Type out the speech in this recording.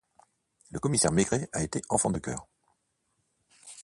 Le commissaire Maigret a été enfant de chœur.